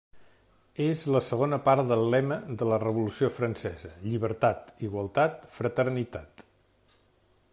És la segona part del lema de la revolució francesa: llibertat, igualtat, fraternitat.